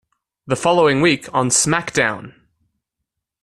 The following week, on SmackDown!